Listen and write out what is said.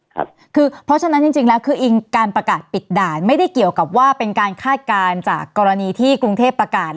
คือเพราะฉะนั้นจริงแล้วคืออิงการประกาศปิดด่านไม่ได้เกี่ยวกับว่าเป็นการคาดการณ์จากกรณีที่กรุงเทพประกาศ